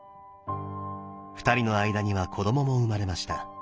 ２人の間には子どもも生まれました。